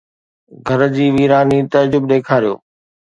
گھر جي ويراني تعجب! ڏيکاريو